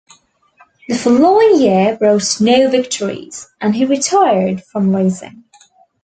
The following year brought no victories, and he retired from racing.